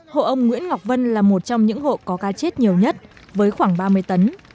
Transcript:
hộ ông nguyễn ngọc vân là một trong những hộ có cá chết nhiều nhất với khoảng ba mươi tấn